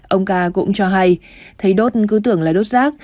ông ca cũng cho hay thấy đốt cứ tưởng là đốt rác